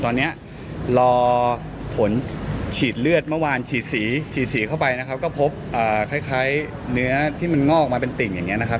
ตอนนี้รอผลฉีดเลือดเมื่อวานฉีดสีฉีดสีเข้าไปนะครับก็พบคล้ายเนื้อที่มันงอกมาเป็นติ่งอย่างนี้นะครับ